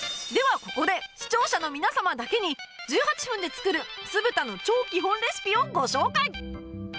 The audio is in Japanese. ここで視聴者の皆様だけに１８分で作る酢豚の超基本レシピをご紹介